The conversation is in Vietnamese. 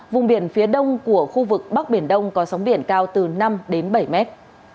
vùng biển phía đông của khu vực bắc biển đông có sóng biển cao từ năm đến bảy mét